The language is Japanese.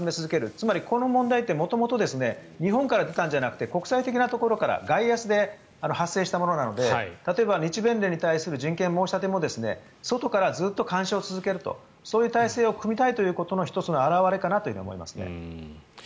つまり、この問題って元々日本から出たんじゃなくて国際的なところから外圧で発生したものなので人権申し立ても外からずっと干渉を続けると、そういう体制を組みたいという１つの表れかなと思いますね。